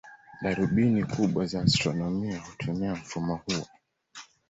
Darubini kubwa za astronomia hutumia mfumo huo.